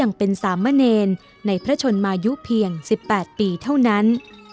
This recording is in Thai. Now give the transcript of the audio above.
ในพระชนมายุเพียงสิบแปดปีเท่านั้น